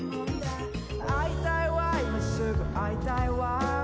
「会いたいわ今すぐ会いたいわ」